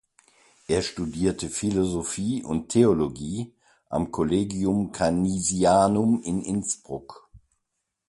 Er studierte Philosophie und Theologie am Collegium Canisianum in Innsbruck.